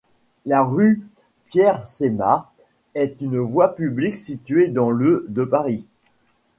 La rue Pierre-Semard est une voie publique située dans le de Paris.